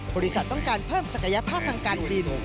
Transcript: บริษัทต้องการเพิ่มศักยภาพทางการบิน